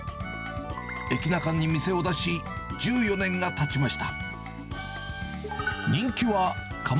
エキナカに店を出し１４年がたちました。